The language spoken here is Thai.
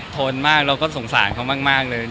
ทนมากเราก็สงสารเขามากเลย